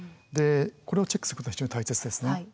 これをチェックすることは非常に大切ですね。